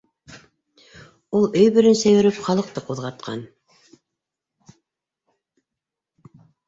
Ул өй беренсә йөрөп халыҡты ҡуҙғатҡан!